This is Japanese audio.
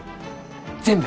全部。